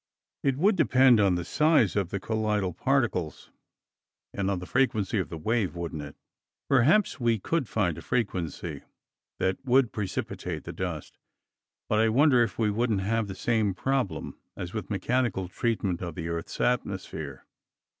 "It would depend on the size of the colloidal particles, and on the frequency of the wave, wouldn't it? Perhaps we could find a frequency that would precipitate the dust, but I wonder if we wouldn't have the same problem as with mechanical treatment of the Earth's atmosphere.